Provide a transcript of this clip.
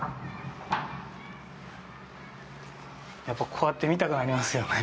やっぱこうやって見たくなりますよね。